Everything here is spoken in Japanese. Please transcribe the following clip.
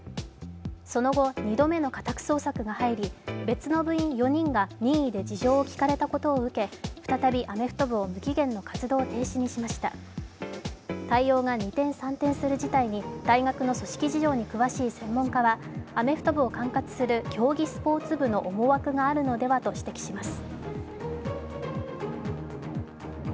その後、２度目の家宅捜索が入り、別の部員４人が任意で事情を聴かれたことを受け再びアメフト部を無期限の活動停止にしました対応が二転三転する事態に大学の組織事情に詳しい専門家はアメフト部を管轄する競技スポーツ部の思惑があるのではと指摘します。